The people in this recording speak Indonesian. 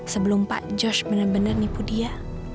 sebelum pak josh bener bener nipu dia